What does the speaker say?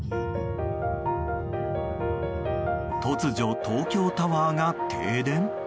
突如、東京タワーが停電？